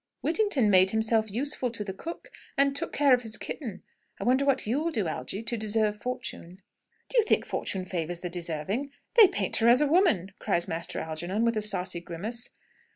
"Whittington made himself useful to the cook, and took care of his kitten. I wonder what you will do, Algy, to deserve fortune?" "Do you think fortune favours the deserving? They paint her as a woman!" cries Master Algernon, with a saucy grimace.